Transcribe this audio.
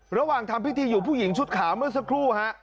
ระหว่างทำพิธีอยู่ผู้หญิงชุดขาวเมื่อสักครู่ฮะ